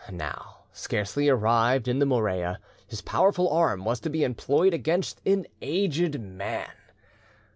Now, scarcely arrived in the Morea, his powerful arm was to be employed against an aged man.